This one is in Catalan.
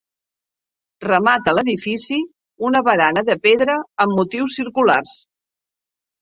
Remata l'edifici una barana de pedra amb motius circulars.